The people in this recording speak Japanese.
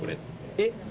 えっ。